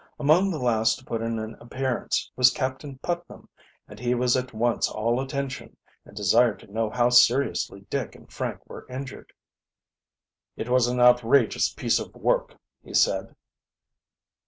Among the last to put in an appearance was Captain Putnam, and he was at once all attention, and desired to know how seriously Dick and Frank were injured. "It was an outrageous piece of work," he said.